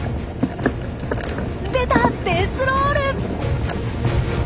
出たデスロール！